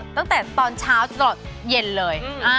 ตั้งแต่ตอนเช้าตลอดเย็นเลย